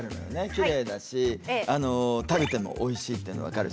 キレイだし食べてもおいしいっていうのは分かるし。